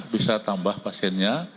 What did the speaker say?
bisa tambah pasiennya